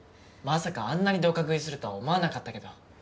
まさかあんなにどか食いするとは思わなかったけど。